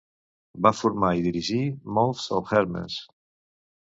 Va formar i dirigir "Mouth of Hermes".